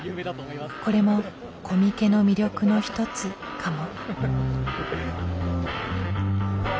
これもコミケの魅力の一つかも。